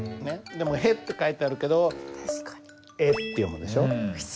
でも「へ」って書いてあるけど「え」って読むでしょ。